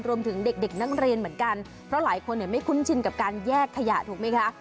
รวมถึงเด็กนักเรียนเหมือนกันเพราะหลายคนไม่คุ้นชินกับการแยกขยะถูกไหมคะ